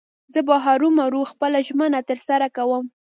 زه به هرو مرو خپله ژمنه تر سره کوم.